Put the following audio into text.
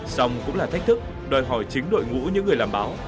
xong cũng là thách thức đòi hỏi chính đội ngũ những người làm báo